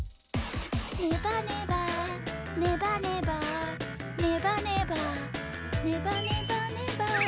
「ねばねばねばねば」「ねばねばねばねばねば」